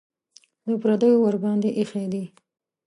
د پردیو ورباندې ایښي دي.